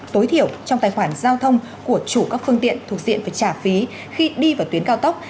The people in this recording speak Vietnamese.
tối thiểu trong tài khoản giao thông của chủ các phương tiện thuộc diện phải trả phí khi đi vào tuyến cao tốc